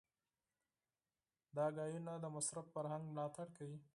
دا خبرې د مصرف فرهنګ ملاتړ کوي.